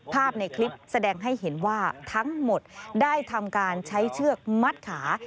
ภาพในคลิปแสดงให้เห็นว่าทั้งหมดได้ทำการใช้เชือกมัดขา